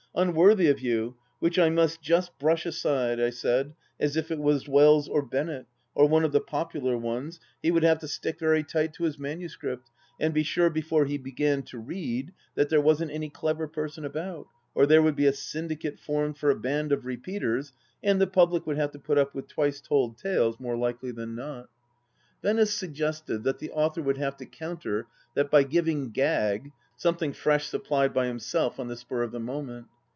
" Unworthy of you, which I must just brush aside." I said, if it was Wells or Bennett, or one of the popular ones, he would have to stick very tight to his manu script, and be sure, before he began to read, that there wasn t any clever person about, or there would be a syndicate fornied for a band of " Repeaters," and the public would have to put up with twice told tales more likely than not. THE LAST DITCH 251 Venice suggested that the author would have to counter that by giving " gag "— something fresh supplied by himself on the spur of the moment.